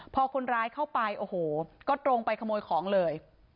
พอคนร้ายเข้าไปโอ้โหก็ตรงไปขโมยของเลย